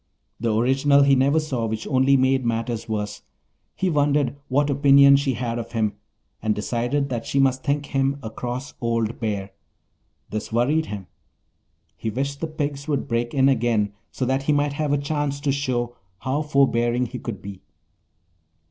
The original he never saw, which only made matters worse. He wondered what opinion she had of him and decided that she must think him a cross old bear. This worried him. He wished the pigs would break in again so that he might have a chance to show how forbearing he could be.